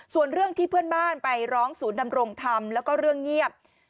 ส่วนเรื่องที่เพื่อนบ้านไปร้องศูนย์ดำรงธรรมแล้วก็เรื่องเงียบ